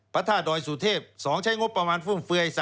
ประทาดอยสุเทพ๒ใช้งบประมาณฟึ่มเฟย